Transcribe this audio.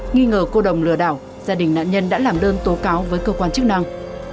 nghi ngờ cô đồng lừa đảo gia đình nạn nhân đã làm đơn tố cáo với cơ quan chức năng